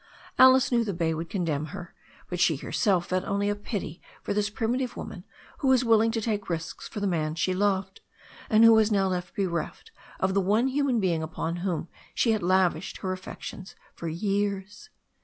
Alice knew the bay would condemn her, but she herself felt only a pity for this primitive woman who was willing to take risks for the man she loved, and who was now left bereft of the one human being upon whom she had lavished her affections for years.